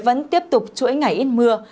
vẫn tiếp tục chuỗi ngày ít mưa